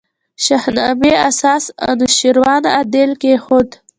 شاهنامې اساس انوشېروان عادل کښېښود.